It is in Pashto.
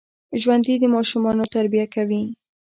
ژوندي د ماشومانو تربیه کوي